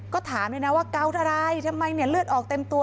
ก็ถามเลยนะว่าเกาอะไรทำไมเนี่ยเลือดออกเต็มตัว